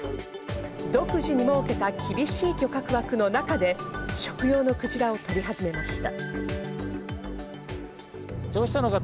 独自に設けた厳しい漁獲枠の中で食用の鯨をとり始めました。